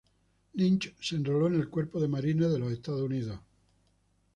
Lynch se enroló en el Cuerpo de Marines de Estados Unidos.